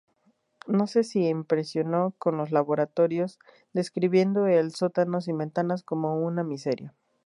No se impresionó con los laboratorios, describiendo el sótano sin ventanas como una "miseria".